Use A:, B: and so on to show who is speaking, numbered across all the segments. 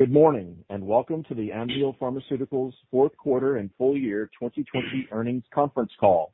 A: Good morning, and welcome to the Amneal Pharmaceuticals Q4 and full year 2020 earnings conference call.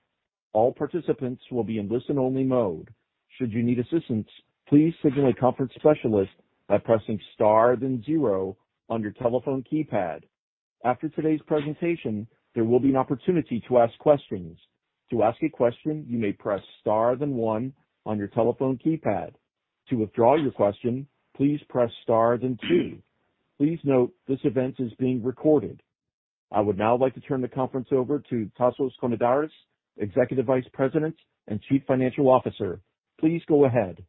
A: I would now like to turn the conference over to Tasos Konidaris, Executive Vice President and Chief Financial Officer. Please go ahead.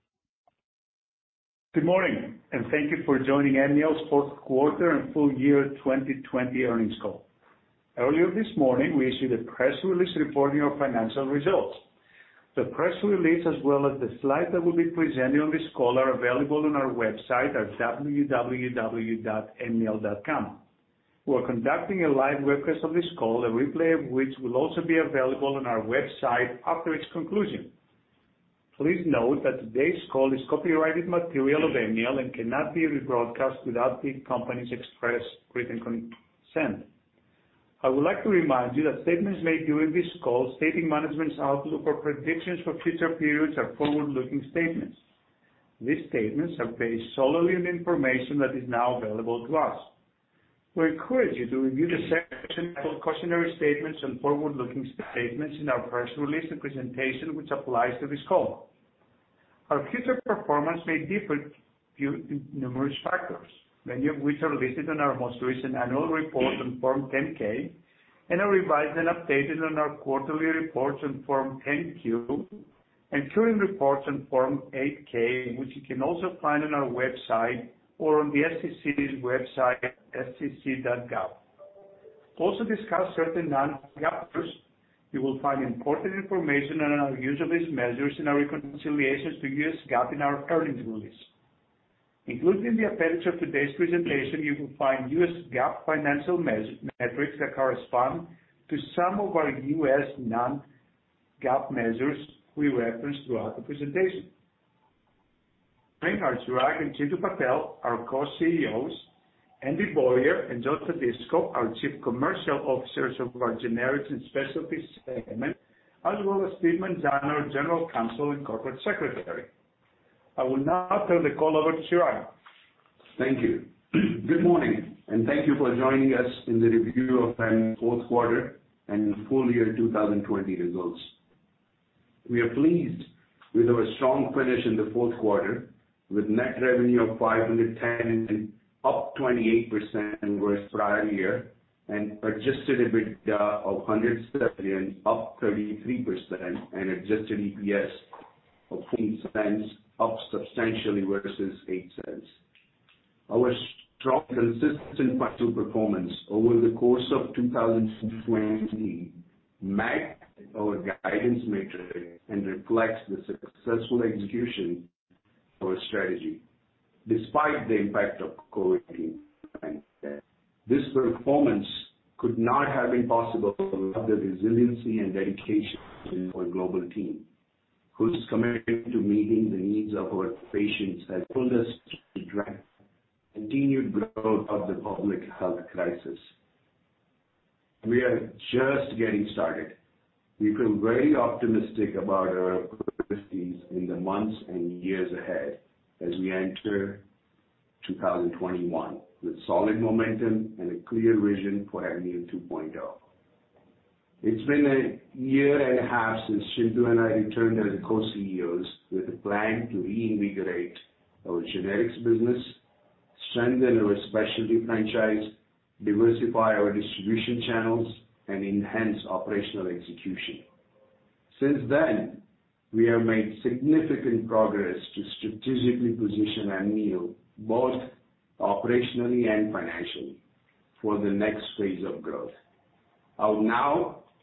B: Good morning. Thank you for joining Amneal's Q4 and full year 2020 earnings call. Earlier this morning, we issued a press release reporting our financial results. The press release, as well as the slides that will be presented on this call, are available on our website at www.amneal.com. We're conducting a live webcast of this call, a replay of which will also be available on our website after its conclusion. Please note that today's call is copyrighted material of Amneal and cannot be rebroadcast without the company's express written consent. I would like to remind you that statements made during this call stating management's outlook or predictions for future periods are forward-looking statements. These statements are based solely on the information that is now available to us. We encourage you to review the section titled Cautionary Statements and Forward-Looking Statements in our press release and presentation which applies to this call. Our future performance may differ due to numerous factors, many of which are listed in our most recent annual report on Form 10-K, and are revised and updated on our quarterly reports on Form 10-Q, and current reports on Form 8-K, which you can also find on our website or on the sec.gov website. We also discuss certain non-GAAP measures. You will find important information on our use of these measures and our reconciliation to GAAP in our earnings release. Included in the appendix of today's presentation, you will find GAAP financial metrics that correspond to some of our U.S. non-GAAP measures we reference throughout the presentation. Joining are Chirag and Chintu Patel, our Co-CEOs, Andy Boyer and Joe Todisco, our Chief Commercial Officers of our Generics and Specialty segment, as well as Stephen Zanner, General Counsel and Corporate Secretary. I will now turn the call over to Chirag.
C: Thank you. Good morning, and thank you for joining us in the review of Amneal's Q4 and full year 2020 results. We are pleased with our strong finish in the fourth quarter with net revenue of $510, up 28% versus prior year, and adjusted EBITDA of $100 million, up 33%, and adjusted EPS of $0.40, up substantially versus $0.08. Our strong consistent financial performance over the course of 2020 met our guidance metrics and reflects the successful execution of our strategy despite the impact of COVID-19. This performance could not have been possible without the resiliency and dedication of our global team, whose commitment to meeting the needs of our patients has pulled us through the dramatic and continued growth of the public health crisis. We are just getting started. We feel very optimistic about our capabilities in the months and years ahead as we enter 2021 with solid momentum and a clear vision for Amneal 2.0. It's been a year and a half since Chintu and I returned as Co-CEOs with a plan to reinvigorate our generics business, strengthen our specialty franchise, diversify our distribution channels, and enhance operational execution. Since then, we have made significant progress to strategically position Amneal, both operationally and financially for the next phase of growth.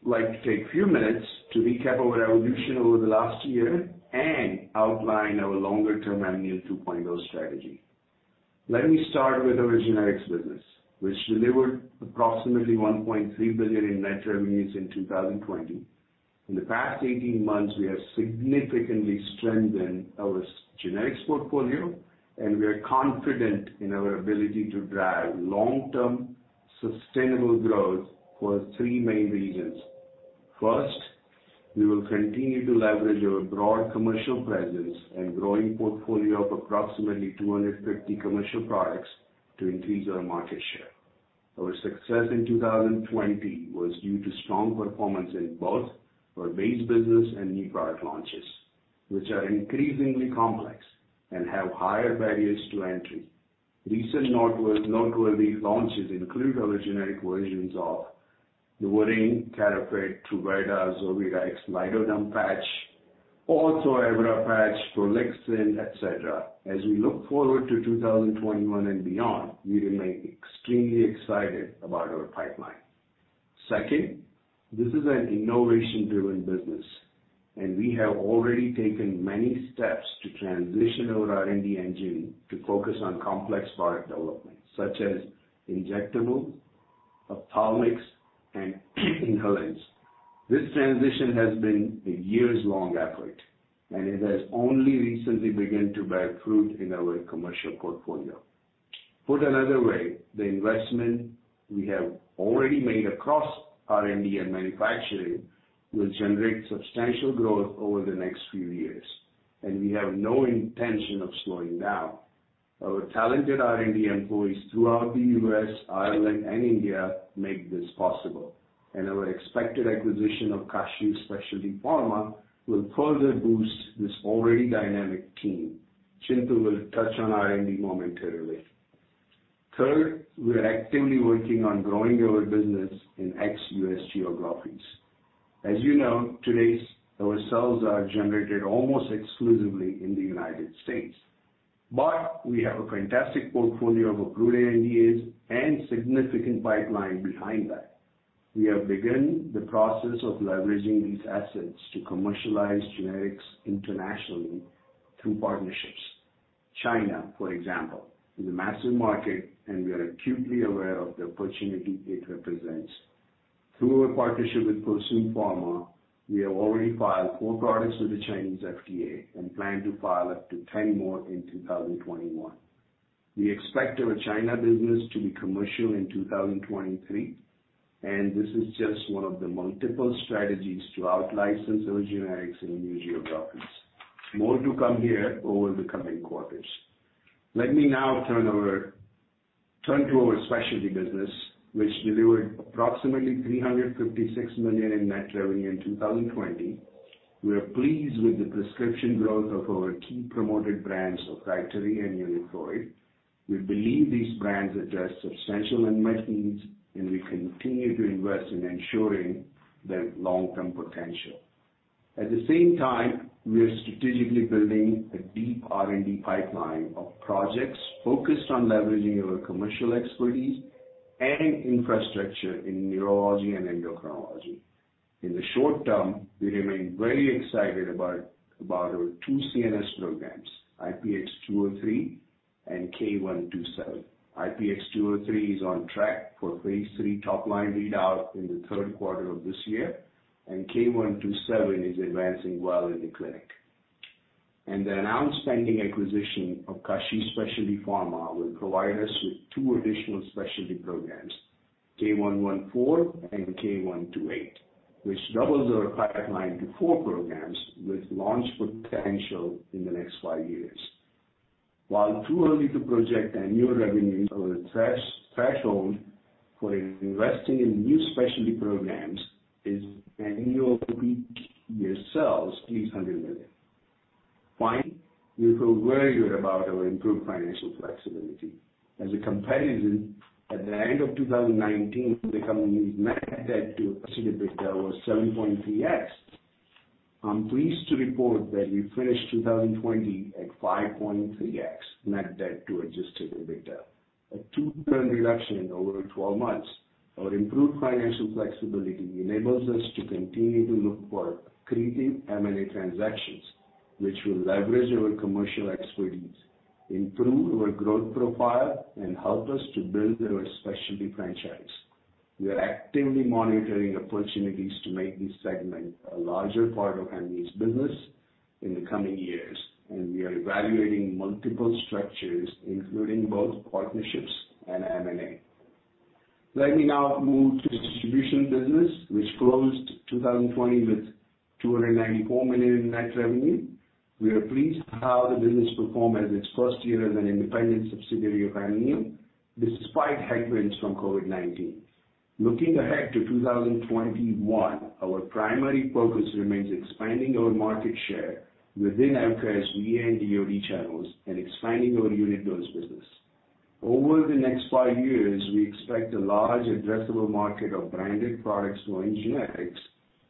C: I would now like to take a few minutes to recap our evolution over the last year and outline our longer-term Amneal 2.0 strategy. Let me start with our generics business, which delivered approximately $1.3 billion in net revenues in 2020. In the past 18 months, we have significantly strengthened our generics portfolio. We are confident in our ability to drive long-term sustainable growth for three main reasons. First, we will continue to leverage our broad commercial presence and growing portfolio of approximately 250 commercial products to increase our market share. Our success in 2020 was due to strong performance in both our base business and new product launches, which are increasingly complex and have higher barriers to entry. Recent noteworthy launches include our generic versions of NuvaRing, Keraflex, Truvada, Zovirax, Lidoderm patch, also Evra patch, Prolixin, et cetera. As we look forward to 2021 and beyond, we remain extremely excited about our pipeline. Second, this is an innovation-driven business. We have already taken many steps to transition our R&D engine to focus on complex product development, such as injectablesOf power mix and inhalants. This transition has been a years long effort, and it has only recently begun to bear fruit in our commercial portfolio. Put another way, the investment we have already made across R&D and manufacturing will generate substantial growth over the next few years, and we have no intention of slowing down. Our talented R&D employees throughout the U.S., Ireland, and India make this possible, and our expected acquisition of Kashiv Specialty Pharma will further boost this already dynamic team. Chintu will touch on R&D momentarily. Third, we're actively working on growing our business in ex-U.S. geographies. As you know, today, our sales are generated almost exclusively in the United States. We have a fantastic portfolio of approved ANDAs and significant pipeline behind that. We have begun the process of leveraging these assets to commercialize generics internationally through partnerships. China, for example, is a massive market, and we are acutely aware of the opportunity it represents. Through our partnership with Fosun Pharma, we have already filed four products with the Chinese FDA and plan to file up to 10 more in 2021. We expect our China business to be commercial in 2023, and this is just one of the multiple strategies to out-license our generics in new geographies. More to come here over the coming quarters. Let me now turn to our specialty business, which delivered approximately $356 million in net revenue in 2020. We are pleased with the prescription growth of our key promoted brands of RYTARY and UNITHROID. We believe these brands address substantial unmet needs, and we continue to invest in ensuring their long-term potential. At the same time, we are strategically building a deep R&D pipeline of projects focused on leveraging our commercial expertise and infrastructure in neurology and endocrinology. In the short term, we remain very excited about our two CNS programs, IPX-203 and K127. IPX-203 is on track for phase III top-line readout in the Q3 of this year, and K127 is advancing well in the clinic. The announced pending acquisition of Kashiv Specialty Pharma will provide us with two additional specialty programs, K114 and K128, which doubles our pipeline to four programs with launch potential in the next five years. While too early to project annual revenues, our threshold for investing in new specialty programs is annual peak year sales, at least $100 million. Five, we feel very good about our improved financial flexibility. At the end of 2019, the company's net debt to adjusted EBITDA was 7.3x. I'm pleased to report that we finished 2020 at 5.3x net debt to adjusted EBITDA, a two-third reduction in over 12 months. Our improved financial flexibility enables us to continue to look for accretive M&A transactions, which will leverage our commercial expertise, improve our growth profile, and help us to build our specialty franchise. We are actively monitoring opportunities to make this segment a larger part of Amneal's business in the coming years, and we are evaluating multiple structures, including both partnerships and M&A. Let me now move to the distribution business, which closed 2020 with $294 million in net revenue. We are pleased how the business performed as its first year as an independent subsidiary of Amneal, despite headwinds from COVID-19. Looking ahead to 2021, our primary focus remains expanding our market share within LKS, VA, and DoD channels and expanding our unit dose business. Over the next five years, we expect a large addressable market of branded products going generics,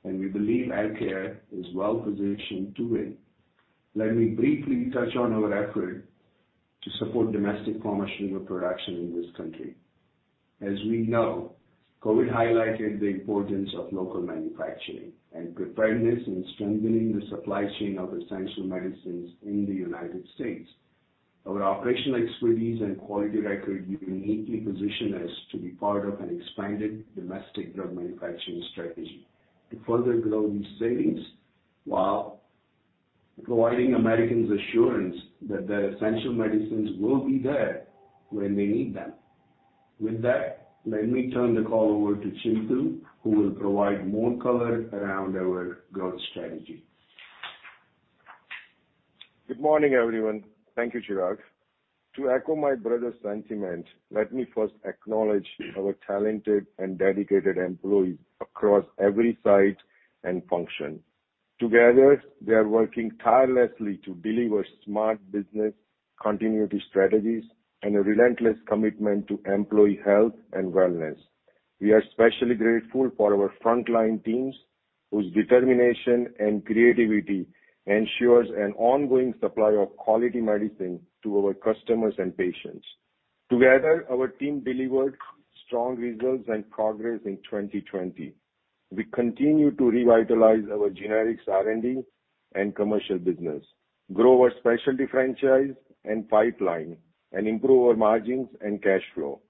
C: and we believe LKS is well-positioned to win. Let me briefly touch on our effort to support domestic pharmaceutical production in this country. As we know, COVID-19 highlighted the importance of local manufacturing and preparedness in strengthening the supply chain of essential medicines in the U.S. Our operational expertise and quality record uniquely position us to be part of an expanded domestic drug manufacturing strategy to further grow these savings while providing Americans assurance that their essential medicines will be there when they need them. With that, let me turn the call over to Chintu, who will provide more color around our growth strategy.
D: Good morning, everyone. Thank you, Chirag. To echo my brother's sentiment, let me first acknowledge our talented and dedicated employees across every site and function. Together, they are working tirelessly to deliver smart business continuity strategies and a relentless commitment to employee health and wellness. We are especially grateful for our frontline teams, whose determination and creativity ensures an ongoing supply of quality medicine to our customers and patients. Together, our team delivered strong results and progress in 2020. We continue to revitalize our generics R&D and commercial business, grow our specialty franchise and pipeline, and improve our margins and cash flow.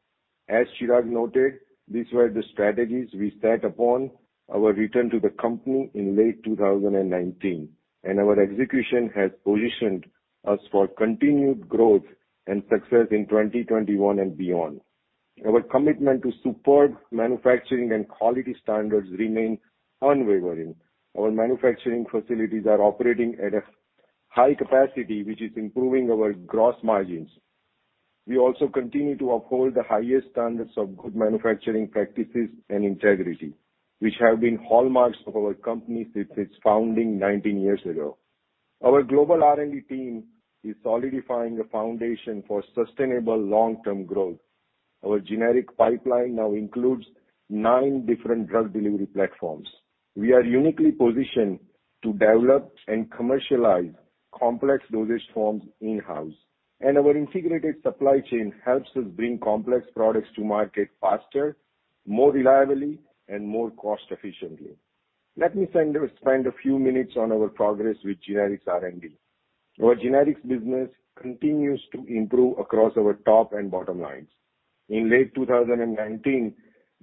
D: As Chirag noted, these were the strategies we set upon our return to the company in late 2019. Our execution has positioned us for continued growth and success in 2021 and beyond. Our commitment to superb manufacturing and quality standards remains unwavering. Our manufacturing facilities are operating at a high capacity, which is improving our gross margins. We also continue to uphold the highest standards of good manufacturing practices and integrity, which have been hallmarks of our company since its founding 19 years ago. Our global R&D team is solidifying a foundation for sustainable long-term growth. Our generic pipeline now includes nine different drug delivery platforms. We are uniquely positioned to develop and commercialize complex dosage forms in-house, and our integrated supply chain helps us bring complex products to market faster, more reliably, and more cost efficiently. Let me spend a few minutes on our progress with generics R&D. Our generics business continues to improve across our top and bottom lines. In late 2019,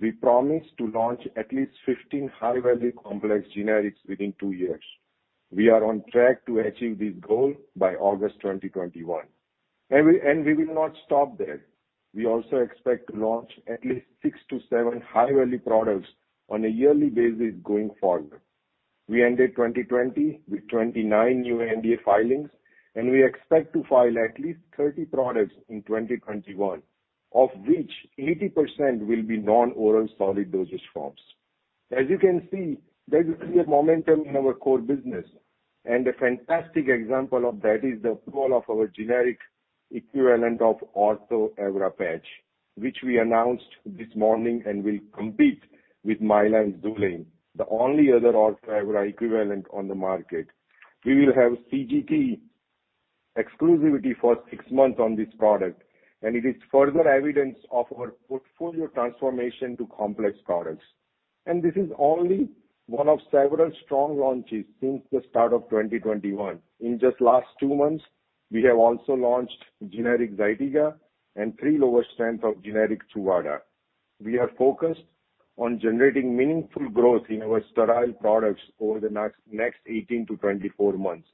D: we promised to launch at least 15 high-value complex generics within two years. We are on track to achieve this goal by August 2021. We will not stop there. We also expect to launch at least six to seven high-value products on a yearly basis going forward. We ended 2020 with 29 new NDA filings, and we expect to file at least 30 products in 2021, of which 80% will be non-oral solid dosage forms. As you can see, there is clear momentum in our core business, and a fantastic example of that is the approval of our generic equivalent of Ortho Evra patch, which we announced this morning and will compete with Mylan's Xulane, the only other Ortho Evra equivalent on the market. We will have CGT exclusivity for six months on this product, and it is further evidence of our portfolio transformation to complex products. This is only one of several strong launches since the start of 2021. In just the last two months, we have also launched generic ZYTIGA and three lower strengths of generic Truvada. We are focused on generating meaningful growth in our sterile products over the next 18 - 24 months,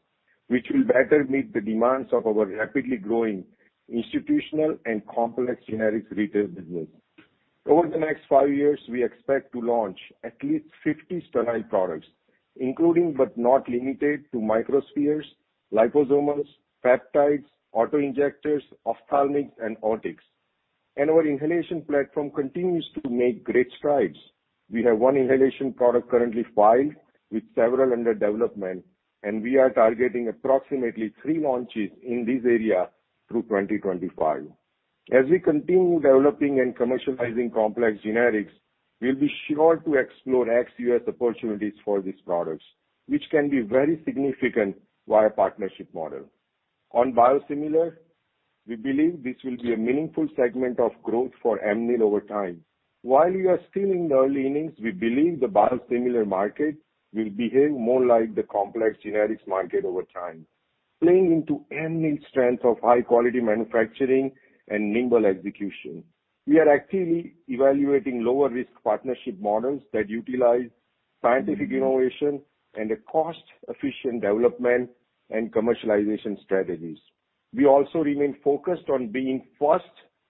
D: which will better meet the demands of our rapidly growing institutional and complex generics retail business. Over the next five years, we expect to launch at least 50 sterile products, including, but not limited to microspheres, liposomes, peptides, auto-injectors, ophthalmics, and otics. Our inhalation platform continues to make great strides. We have one inhalation product currently filed, with several under development, and we are targeting approximately three launches in this area through 2025. As we continue developing and commercializing complex generics, we'll be sure to explore ex-U.S. opportunities for these products, which can be very significant via partnership model. On biosimilar, we believe this will be a meaningful segment of growth for Amneal over time. While we are still in the early innings, we believe the biosimilar market will behave more like the complex generics market over time, playing into Amneal's strength of high-quality manufacturing and nimble execution. We are actively evaluating lower-risk partnership models that utilize scientific innovation and cost-efficient development and commercialization strategies. We also remain focused on being first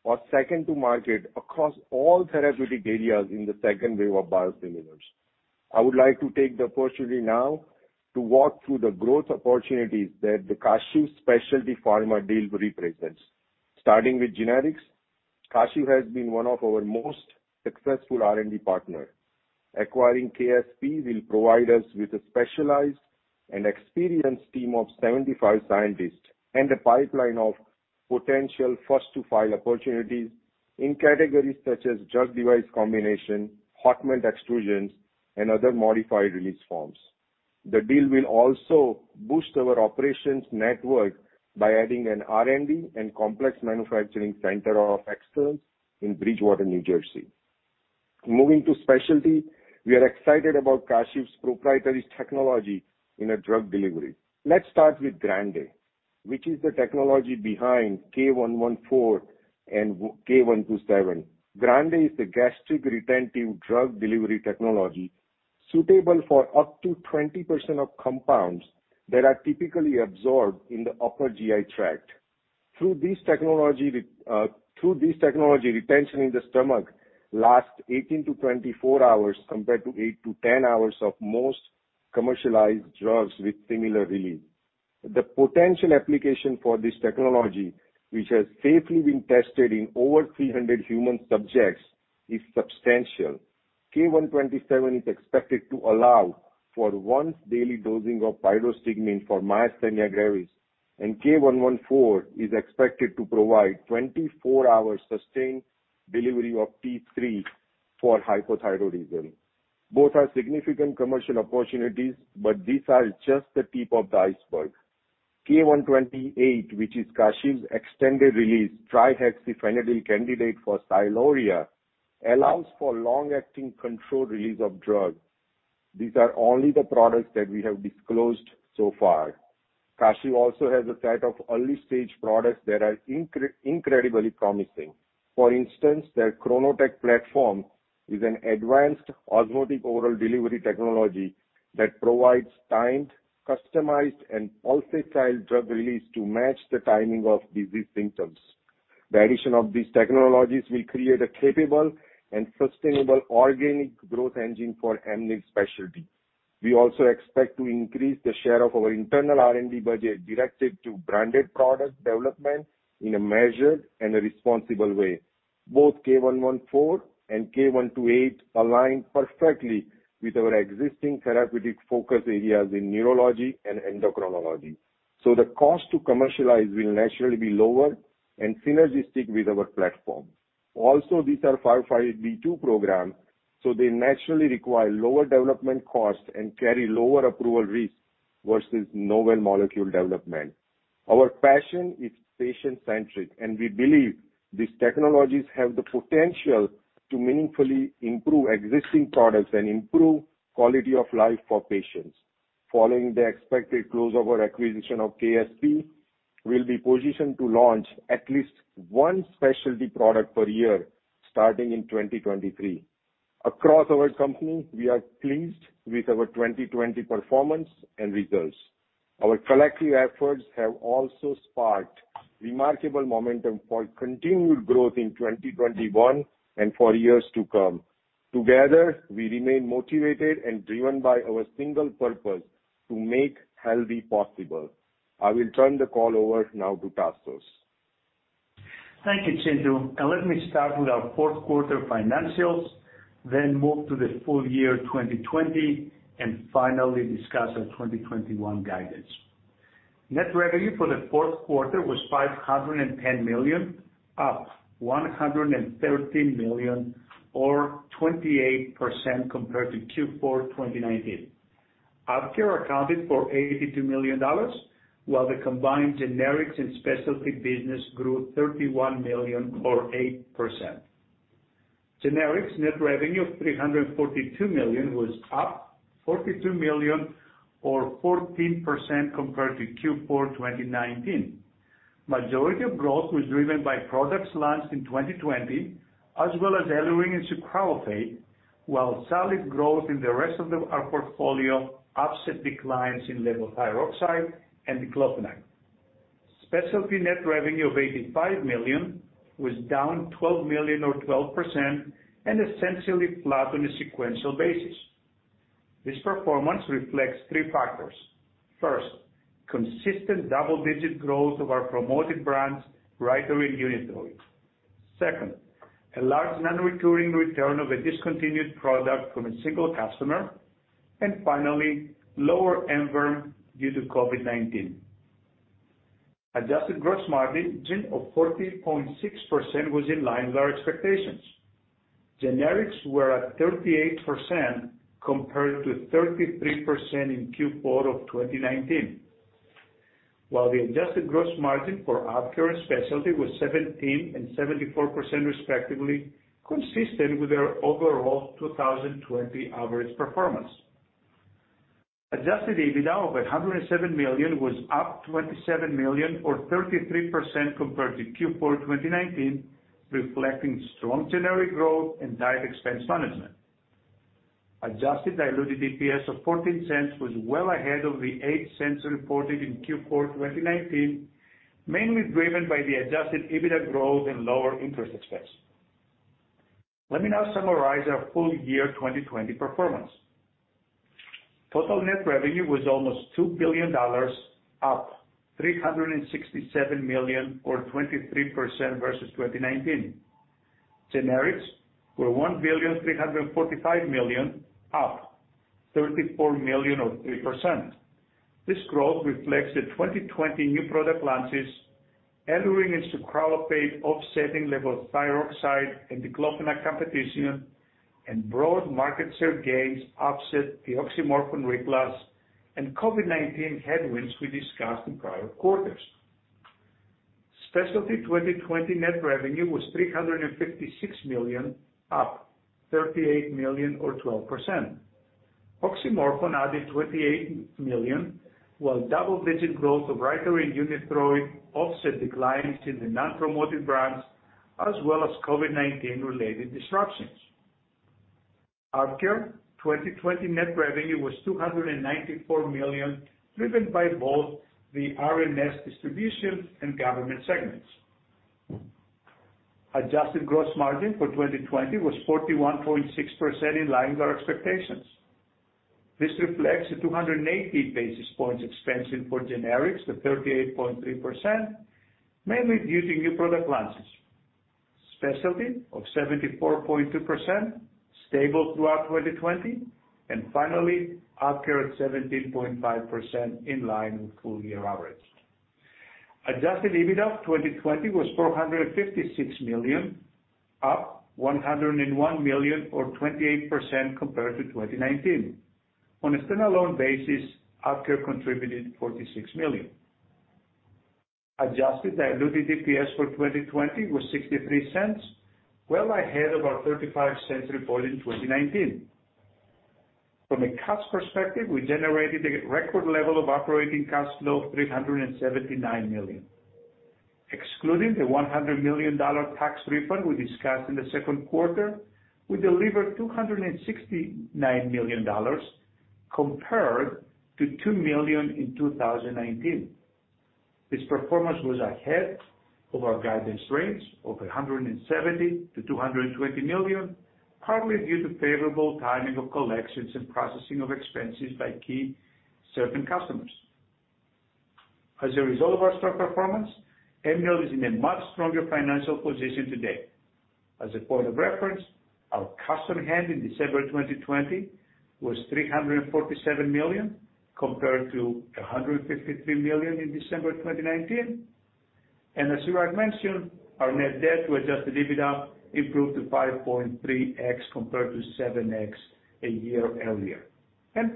D: or second to market across all therapeutic areas in the second wave of biosimilars. I would like to take the opportunity now to walk through the growth opportunities that the Kashiv Specialty Pharma deal represents. Starting with generics, Kashiv has been one of our most successful R&D partners. Acquiring KSP will provide us with a specialized and experienced team of 75 scientists, and a pipeline of potential first-to-file opportunities in categories such as drug device combination, hot melt extrusions, and other modified release forms. The deal will also boost our operations network by adding an R&D and complex manufacturing center of excellence in Bridgewater, New Jersey. Moving to specialty, we are excited about Kashiv's proprietary technology in drug delivery. Let's start with GRANDE, which is the technology behind K114 and K127. GRANDE is the gastric retentive drug delivery technology suitable for up to 20% of compounds that are typically absorbed in the upper GI tract. Through this technology, retention in the stomach lasts 18 - 24 hours, compared to 8 - 10 hours of most commercialized drugs with similar release. The potential application for this technology, which has safely been tested in over 300 human subjects, is substantial. K127 is expected to allow for once-daily dosing of neostigmine for myasthenia gravis, and K114 is expected to provide 24-hour sustained delivery of T3 for hypothyroidism. Both are significant commercial opportunities, but these are just the tip of the iceberg. K128, which is Kashiv's extended-release trihexyphenidyl candidate for sialorrhea, allows for long-acting controlled release of drugs. These are only the products that we have disclosed so far. Kashiv also has a set of early-stage products that are incredibly promising. For instance, their KRONOTEC platform is an advanced osmotic oral delivery technology that provides timed, customized, and pulsatile drug release to match the timing of disease symptoms. The addition of these technologies will create a capable and sustainable organic growth engine for Amneal Specialty. We also expect to increase the share of our internal R&D budget directed to branded product development in a measured and a responsible way. Both K114 and K128 align perfectly with our existing therapeutic focus areas in neurology and endocrinology. The cost to commercialize will naturally be lower and synergistic with our platform. These are 505(b)(2) programs, so they naturally require lower development costs and carry lower approval risk versus novel molecule development. Our passion is patient-centric, and we believe these technologies have the potential to meaningfully improve existing products and improve quality of life for patients. Following the expected close of our acquisition of KSP, we'll be positioned to launch at least one specialty product per year, starting in 2023. Across our company, we are pleased with our 2020 performance and results. Our collective efforts have also sparked remarkable momentum for continued growth in 2021 and for years to come. Together, we remain motivated and driven by our single purpose to make healthy possible. I will turn the call over now to Tasos.
B: Thank you, Chintu. Let me start with our Q4 financials, then move to the full year 2020, and finally discuss our 2021 guidance. Net revenue for the Q4 was $510 million, up $113 million or 28% compared to Q4 2019. AvKARE accounted for $82 million, while the combined generics and specialty business grew $31 million or eight percent. Generics net revenue of $342 million was up $42 million or 14% compared to Q4 2019. Majority of growth was driven by products launched in 2020, as well as EluRyng and sucralfate, while solid growth in the rest of our portfolio offset declines in levothyroxine and diclofenac. Specialty net revenue of $85 million was down $12 million or 12% and essentially flat on a sequential basis. This performance reflects three factors. First, consistent double-digit growth of our promoted brands, RYTARY and UNITHROID. Second, a large non-recurring return of a discontinued product from a single customer. Finally, lower Emverm due to COVID-19. Adjusted gross margin of 40.6% was in line with our expectations. Generics were at 38% compared to 33% in Q4 2019. While the adjusted gross margin for AvKARE and Specialty was 17% and 74% respectively, consistent with our overall 2020 average performance. Adjusted EBITDA of $107 million was up $27 million or 33% compared to Q4 2019, reflecting strong generic growth and tight expense management. Adjusted diluted EPS of $0.14 was well ahead of the $0.08 reported in Q4 2019, mainly driven by the adjusted EBITDA growth and lower interest expense. Let me now summarize our full year 2020 performance. Total net revenue was almost $2 billion, up $367 million or 23% versus 2019. Generics were $1,345,000, up $34 million or three percent. This growth reflects the 2020 new product launches, EluRyng and sucralfate offsetting levothyroxine and diclofenac competition, and broad market share gains offset the oxymorphone reclass and COVID-19 headwinds we discussed in prior quarters. Specialty 2020 net revenue was $356 million, up $38 million or 12%. oxymorphone added $28 million, while double-digit growth of RYTARY and UNITHROID offset declines in the non-promoted brands as well as COVID-19 related disruptions. Opcare 2020 net revenue was $294 million, driven by both the RNS distribution and government segments. Adjusted gross margin for 2020 was 41.6%, in line with our expectations. This reflects the 280 basis points expense in for generics to 38.3%, mainly due to new product launches. Specialty of 74.2%, stable throughout 2020, and finally, Opcare at 17.5% in line with full year average. Adjusted EBITDA of 2020 was $456 million, up $101 million or 28% compared to 2019. On a standalone basis, AvKARE contributed $46 million. Adjusted diluted EPS for 2020 was $0.63, well ahead of our $0.35 reported in 2019. From a cash perspective, we generated a record level of operating cash flow of $379 million. Excluding the $100 million tax refund we discussed in the second quarter, we delivered $269 million compared to $2 million in 2019. This performance was ahead of our guidance range of $170 million-$220 million, partly due to favorable timing of collections and processing of expenses by key certain customers. As a result of our strong performance, Amneal is in a much stronger financial position today. As a point of reference, our cash on hand in December 2020 was $347 million compared to $153 million in December 2019. As Chirag mentioned, our net debt to adjusted EBITDA improved to 5.3x compared to 7x a year earlier.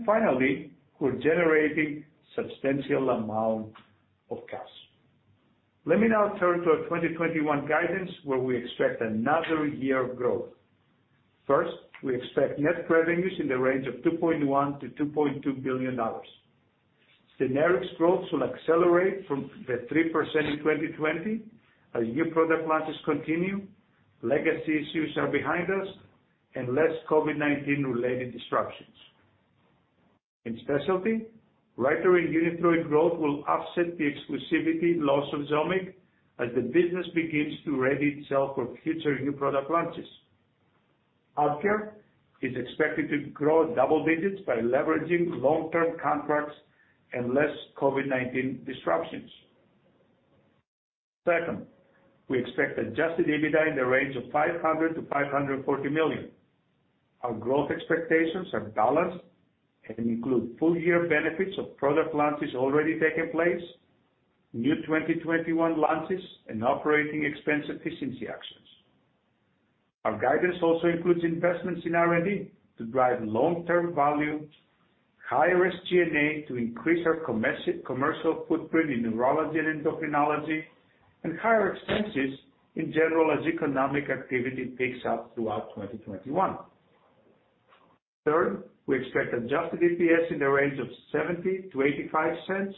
B: Finally, we're generating substantial amount of cash. Let me now turn to our 2021 guidance where we expect another year of growth. First, we expect net revenues in the range of $2.1 billion-$2.2 billion. Generics growth will accelerate from the three percent in 2020 as new product launches continue, legacy issues are behind us, and less COVID-19 related disruptions. In specialty, RYTARY unit growth will offset the exclusivity loss of XERMIC as the business begins to ready itself for future new product launches. AvKARE is expected to grow double digits by leveraging long-term contracts and less COVID-19 disruptions. Second, we expect adjusted EBITDA in the range of $500 million-$540 million. Our growth expectations are balanced and include full year benefits of product launches already taking place, new 2020 launches, and operating expense efficiency actions. Our guidance also includes investments in R&D to drive long-term value, higher SG&A to increase our commercial footprint in neurology and endocrinology, and higher expenses in general as economic activity picks up throughout 2021. Third, we expect adjusted EPS in the range of $0.70-$0.85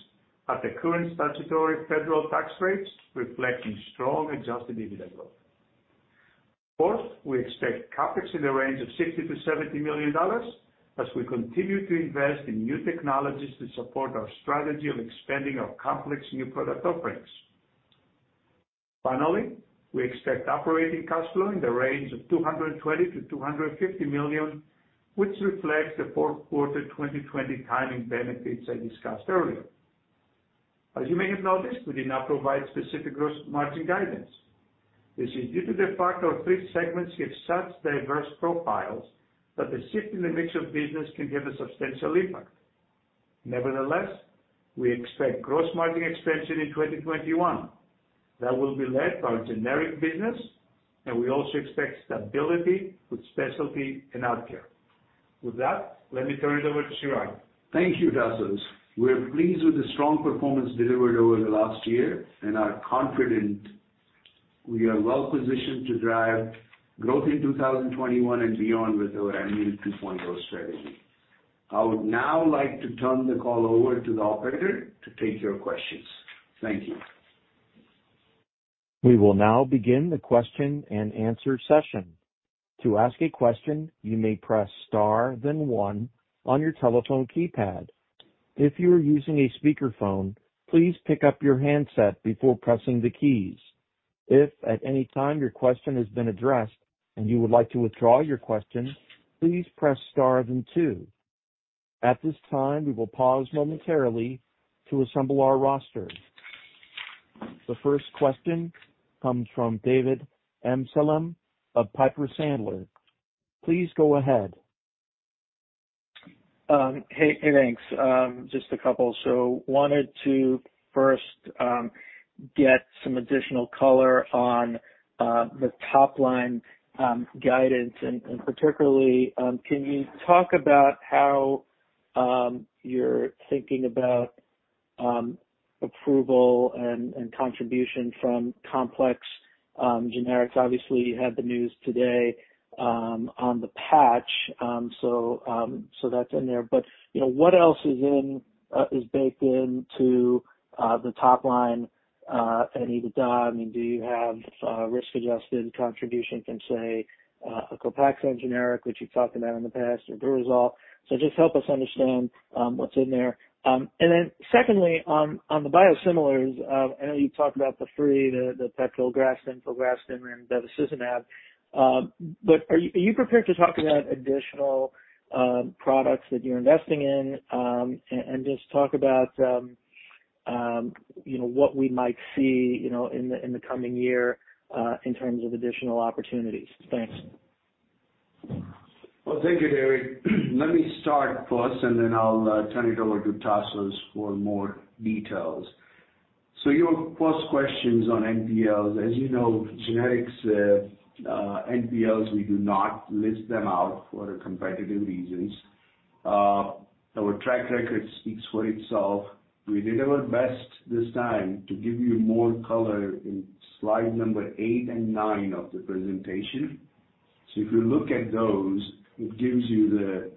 B: at the current statutory federal tax rates, reflecting strong adjusted EBITDA growth. Fourth, we expect CapEx in the range of $60 million-$70 million as we continue to invest in new technologies to support our strategy of expanding our complex new product offerings. Finally, we expect operating cash flow in the range of $220 million-$250 million, which reflects the Q4 2020 timing benefits I discussed earlier. As you may have noticed, we did not provide specific gross margin guidance. This is due to the fact our three segments have such diverse profiles that the shift in the mix of business can have a substantial impact. Nevertheless, we expect gross margin expansion in 2021. That will be led by our generic business. We also expect stability with specialty and AvKARE. With that, let me turn it over to Chirag.
C: Thank you, Tasos. We're pleased with the strong performance delivered over the last year and are confident we are well positioned to drive growth in 2021 and beyond with our Amneal 2.0 strategy. I would now like to turn the call over to the operator to take your questions. Thank you.
A: We will now begin the question and answer session. To ask a question, you may press star then one on your telephone keypad. If you are using a speakerphone, please pick up your handset before pressing the keys. If at any time your question has been addressed and you would like to withdraw your question, please press star then two. At this time, we will pause momentarily to assemble our roster. The first question comes from David Amsellem of Piper Sandler. Please go ahead.
E: Hey, thanks. Just a couple. Wanted to first get some additional color on the top line guidance, and particularly, can you talk about how you're thinking about approval and contribution from complex generics? Obviously, you had the news today on the patch, that's in there. What else is baked into the top line and EBITDA? I mean, do you have risk-adjusted contribution from, say, a Copaxone generic, which you've talked about in the past, or Durezol? Just help us understand what's in there. Secondly, on the biosimilars, I know you talked about the three, the pegfilgrastim, filgrastim, and bevacizumab. Are you prepared to talk about additional products that you're investing in? Just talk about what we might see in the coming year in terms of additional opportunities. Thanks.
C: Well, thank you, David. Let me start first, and then I'll turn it over to Tasos for more details. Your first question's on NPLs. As you know, generics, NPLs, we do not list them out for competitive reasons. Our track record speaks for itself. We did our best this time to give you more color in slide number eight and nine of the presentation. If you look at those, it gives you the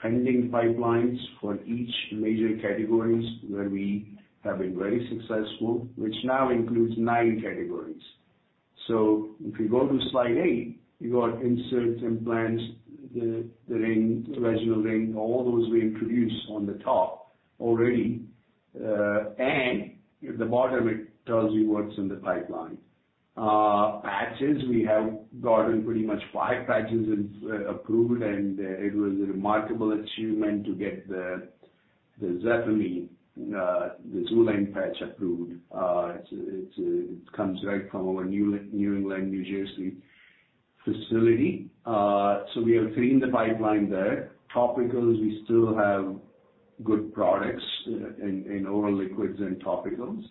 C: pending pipelines for each major categories where we have been very successful, which now includes nine categories. If you go to slide eight, you got inserts, implants, the ring, vaginal ring, all those we introduced on the top already. At the bottom, it tells you what's in the pipeline. Patches, we have gotten pretty much five patches approved, and it was a remarkable achievement to get the Xulane, the Xulane patch approved. It comes right from our New Jersey facility. We have three in the pipeline there. Topicals, we still have good products in oral liquids and topicals.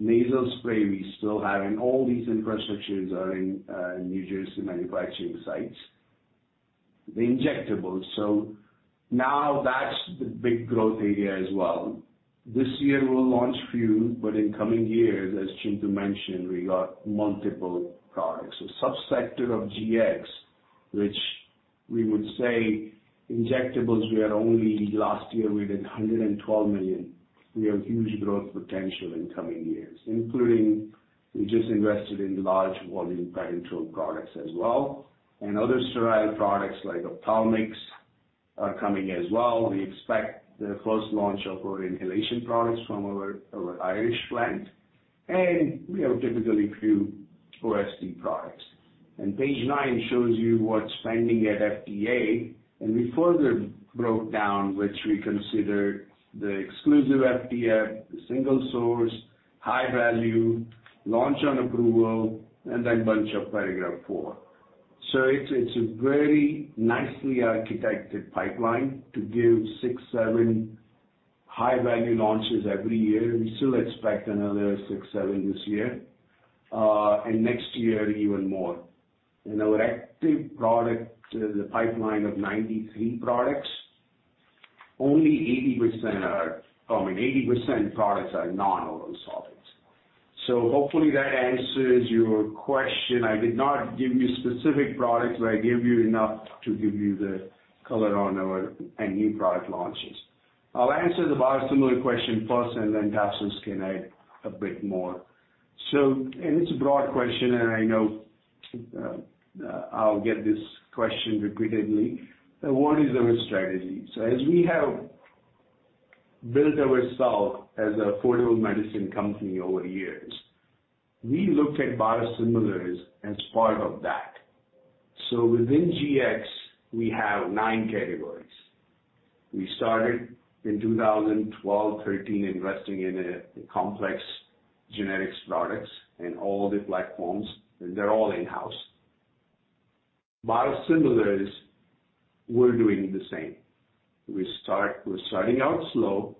C: Nasal spray, we still have. All these infrastructures are in New Jersey manufacturing sites. The injectables, now that's the big growth area as well. This year we'll launch few. In coming years, as Chintu mentioned, we got multiple products. Sub-sector of GX, which we would say injectables, we are only last year we did $112 million. We have huge growth potential in coming years, including we just invested in large volume parenteral products as well. Other sterile products like ophthalmics are coming as well. We expect the first launch of our inhalation products from our Irish plant. We have typically few OSD products. Page nine shows you what's pending at FDA. We further broke down, which we consider the exclusive FDA, the single source, high value, launch on approval, and then bunch of paragraph four. It's a very nicely architected pipeline to give six, seven high-value launches every year. We still expect another six, seven this year. Next year, even more. In our active product pipeline of 93 products, only 80% products are non-oral solids. Hopefully that answers your question. I did not give you specific products, but I gave you enough to give you the color on our any new product launches. I'll answer the biosimilar question first. Tasos can add a bit more. It's a broad question, and I know I'll get this question repeatedly. What is our strategy? As we have built ourselves as an affordable medicine company over the years, we looked at biosimilars as part of that. Within GX, we have nine categories. We started in 2012, 2013, investing in complex generics products and all the platforms, and they're all in-house. Biosimilars, we're doing the same. We're starting out slow.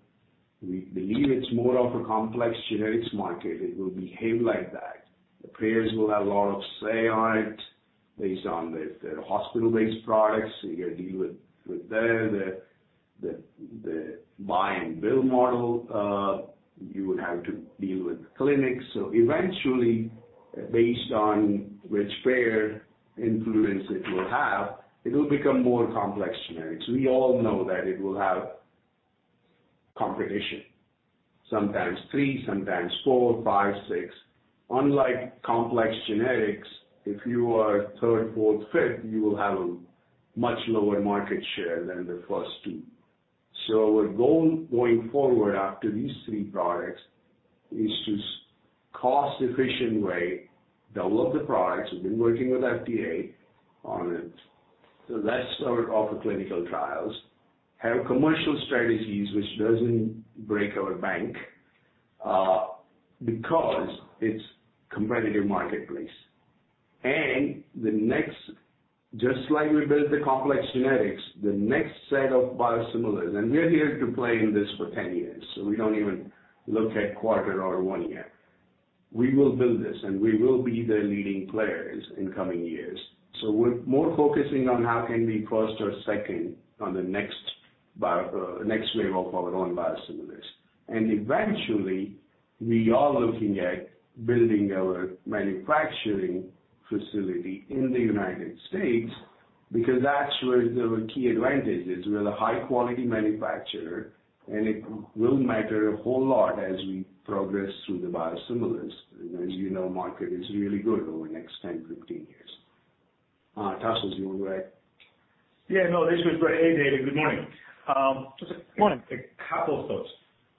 C: We believe it's more of a complex generics market. It will behave like that. The payers will have a lot of say on it based on if they're hospital-based products, so you got to deal with their buy and bill model. You would have to deal with clinics. Eventually, based on which payer influence it will have, it will become more complex generics. We all know that it will have competition, sometimes three, sometimes four, five, six. Unlike complex generics, if you are third, fourth, fifth, you will have a much lower market share than the first two. Our goal going forward after these three products is to cost-efficient way develop the products. We've been working with FDA on it. That's our clinical trials. Have commercial strategies, which doesn't break our bank, because it's competitive marketplace. Just like we built the complex generics, the next set of biosimilars, and we're here to play in this for 10 years, so we don't even look at quarter or one year. We will build this, and we will be the leading players in coming years. We're more focusing on how can we first or second on the next wave of our own biosimilars. Eventually, we are looking at building our manufacturing facility in the United States because that's where our key advantage is. We are a high-quality manufacturer, it will matter a whole lot as we progress through the biosimilars. As you know, market is really good over the next 10, 15 years. Tasos, you want to add?
B: Yeah, no, this was great. Hey, David, good morning.
E: Good morning.
B: Just a couple thoughts.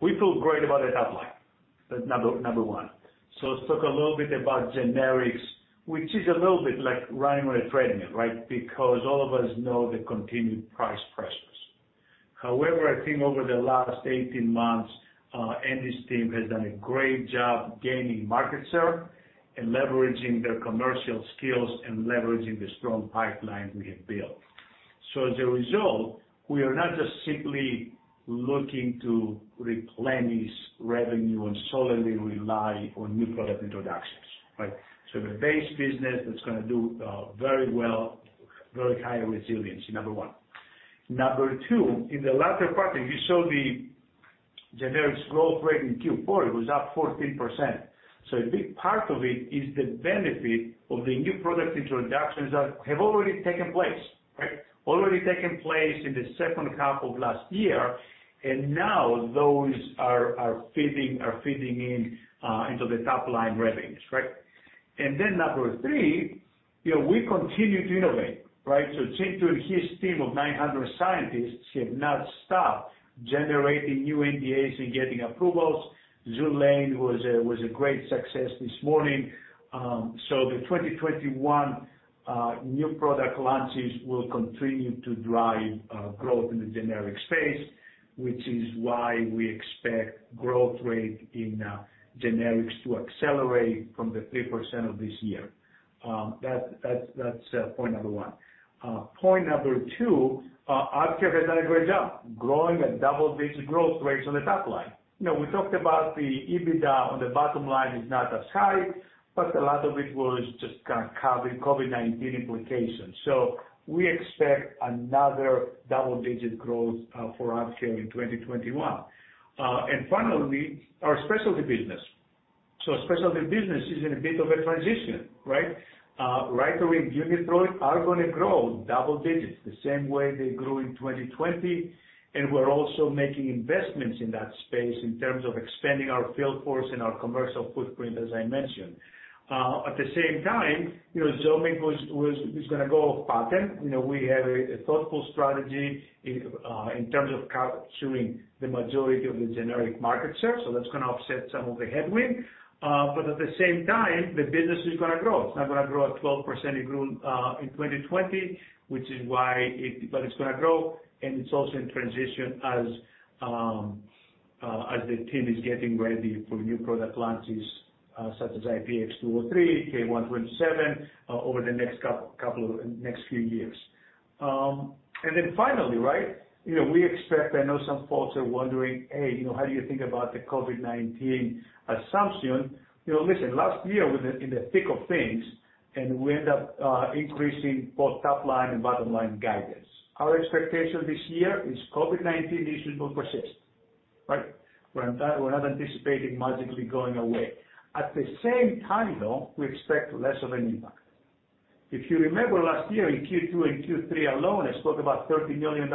B: We feel great about the top line, number one. Let's talk a little bit about generics, which is a little bit like running on a treadmill, right? I think over the last 18 months, Andy's team has done a great job gaining market share and leveraging their commercial skills and leveraging the strong pipeline we have built. As a result, we are not just simply looking to replenish revenue and solely rely on new product introductions, right? The base business that's going to do very well, very high resiliency, number one. Number two, in the latter part, you saw the generics growth rate in Q4. It was up 14%. A big part of it is the benefit of the new product introductions that have already taken place, right? Already taken place in the second half of last year, now those are feeding into the top-line revenues. Right? Number three, we continue to innovate, right? Chintu and his team of 900 scientists have not stopped generating new NDAs and getting approvals. Xulane was a great success this morning. The 2021 new product launches will continue to drive growth in the generic space, which is why we expect growth rate in generics to accelerate from the three percent of this year. That's point number one. Point number two, AvKARE has done a great job growing a double-digit growth rate on the top line. Now, we talked about the EBITDA on the bottom line is not as high, but a lot of it was just kind of COVID-19 implications. We expect another double-digit growth for AvKARE in 2021. Finally, our specialty business. Specialty business is in a bit of a transition, right? Ryzodeg, UNITHROID are going to grow double digits the same way they grew in 2020. We're also making investments in that space in terms of expanding our field force and our commercial footprint, as I mentioned. At the same time, Zomig is going to go off patent. We have a thoughtful strategy in terms of capturing the majority of the generic market share. That's going to offset some of the headwind. At the same time, the business is going to grow. It's not going to grow at 12% it grew in 2020. It's going to grow, and it's also in transition as the team is getting ready for new product launches, such as IPX-203, K127, over the next few years. Finally, right, we expect. I know some folks are wondering, "Hey, how do you think about the COVID-19 assumption?" Listen, last year in the thick of things, and we end up increasing both top line and bottom-line guidance. Our expectation this year is COVID-19 issues will persist, right? We're not anticipating magically going away. At the same time, though, we expect less of an impact. If you remember last year in Q2 and Q3 alone, I spoke about $30 million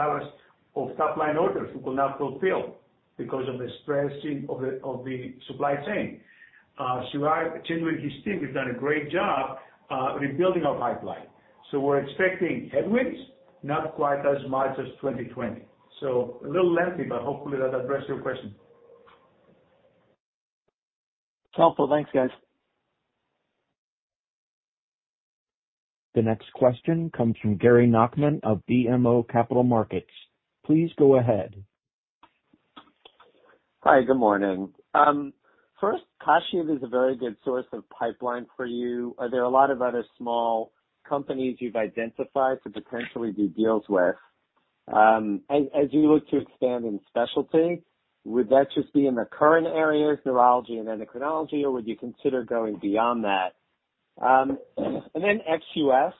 B: of top-line orders we could not fulfill because of the stressing of the supply chain. Chintu and his team have done a great job rebuilding our pipeline. We're expecting headwinds, not quite as much as 2020. A little lengthy, but hopefully that addressed your question.
E: Helpful. Thanks, guys.
A: The next question comes from Gary Nachman of BMO Capital Markets. Please go ahead.
F: Hi, good morning. First, Kashiv is a very good source of pipeline for you. Are there a lot of other small companies you've identified to potentially do deals with? As you look to expand in specialty, would that just be in the current areas, neurology and endocrinology, or would you consider going beyond that? Ex-U.S.,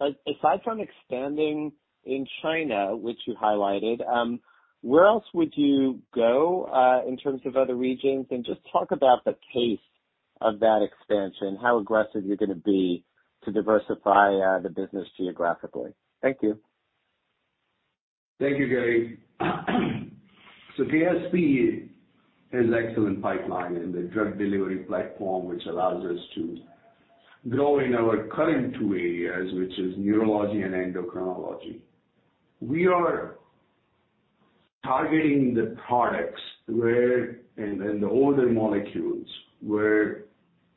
F: aside from expanding in China, which you highlighted, where else would you go, in terms of other regions? Just talk about the pace of that expansion, how aggressive you're going to be to diversify the business geographically. Thank you.
B: Thank you, Gary. DSP has excellent pipeline in the drug delivery platform, which allows us to grow in our current two areas, which is neurology and endocrinology. We are targeting the products and the older molecules where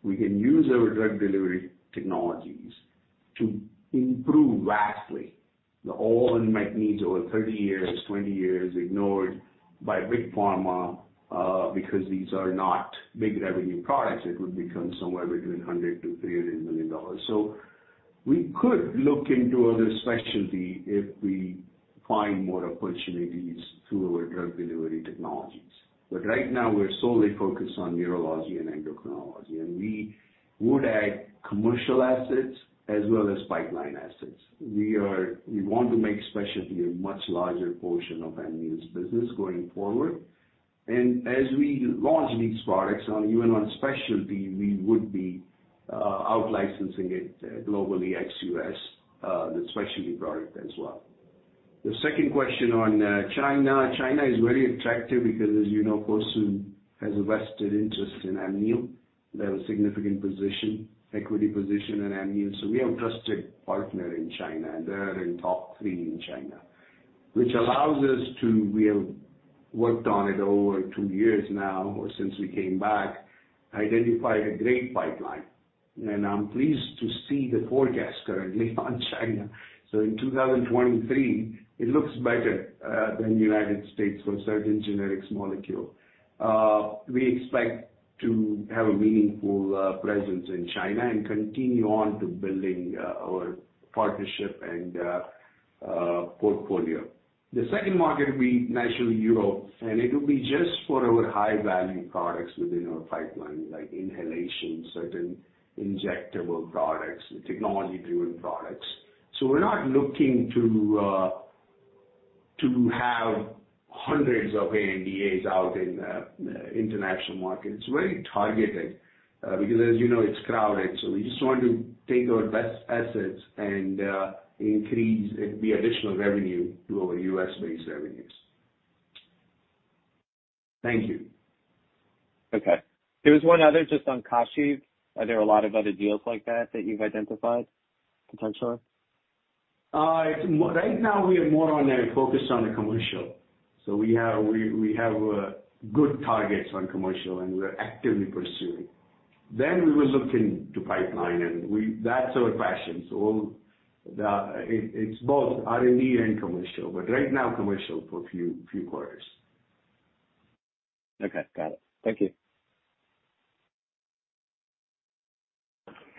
B: we can use our drug delivery technologies to improve vastly. They all might need over 30 years, 20 years, ignored by Big Pharma, because these are not big revenue products. It would become somewhere between $100 million-$300 million. We could look into other specialty if we find more opportunities through our drug delivery technologies. Right now, we're solely focused on neurology and endocrinology. We would add commercial assets as well as pipeline assets. We want to make specialty a much larger portion of Amneal's business going forward. As we launch these products, even on specialty, we would be out licensing it globally, ex-U.S., the specialty product as well. The second question on China. China is very attractive because, as you know, Fosun has a vested interest in Amneal. They have a significant equity position in Amneal. We have trusted partner in China, and they're in top three in China. We have worked on it over two years now, or since we came back.
C: Identified a great pipeline. I'm pleased to see the forecast currently on China. In 2023, it looks better than U.S. for certain generics molecule. We expect to have a meaningful presence in China and continue on to building our partnership and portfolio. The second market will be naturally Europe, and it will be just for our high-value products within our pipeline, like inhalation, certain injectable products, technology-driven products. We're not looking to have hundreds of ANDAs out in the international market. It's very targeted, because as you know, it's crowded. We just want to take our best assets and increase, it'll be additional revenue to our U.S.-based revenues. Thank you.
F: Okay. There was one other just on Kashiv. Are there a lot of other deals like that you've identified potentially?
C: Right now, we are more on a focus on the commercial. We have good targets on commercial, and we're actively pursuing. We will look into pipeline, and that's our passion. It's both R&D and commercial. Right now, commercial for a few quarters.
F: Okay, got it. Thank you.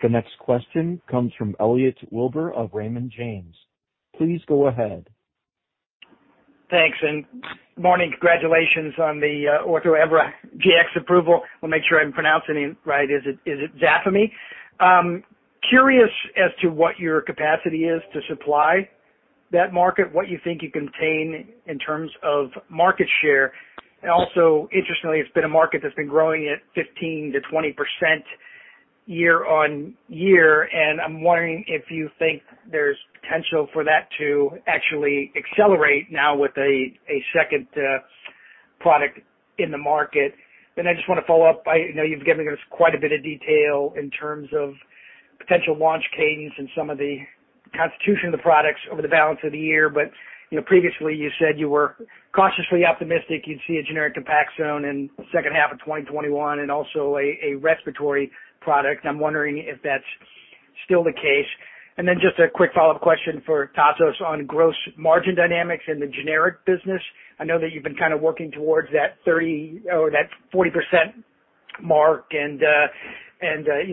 A: The next question comes from Elliot Wilbur of Raymond James. Please go ahead.
G: Thanks, and morning. Congratulations on the Ortho Evra GX approval. I'll make sure I'm pronouncing it right. Is it Zafemy? Curious as to what your capacity is to supply that market, what you think you contain in terms of market share. Also, interestingly, it's been a market that's been growing at 15%-20% year-on-year, and I'm wondering if you think there's potential for that to actually accelerate now with a second product in the market. I just want to follow up. Previously, you said you were cautiously optimistic you'd see a generic Copaxone in second half of 2021 and also a respiratory product. I'm wondering if that's still the case. Just a quick follow-up question for Tasos on gross margin dynamics in the generic business. I know that you've been kind of working towards that 30% or that 40% mark and